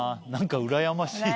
うらやましい。